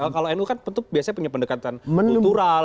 kalau nu kan biasanya punya pendekatan kultural